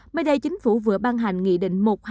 mới đây chính phủ vừa ban hành nghị định một trăm hai mươi